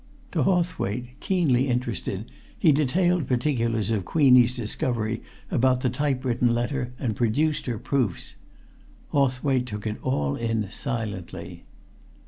To Hawthwaite, keenly interested, he detailed particulars of Queenie's discovery about the typewritten letter and produced her proofs. Hawthwaite took it all in silently.